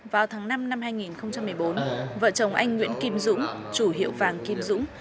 vào tháng năm năm hai nghìn một mươi bốn vợ chồng anh nguyễn kim dũng chủ hiệu vàng kim dũng